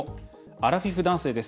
「アラフィフ男性です。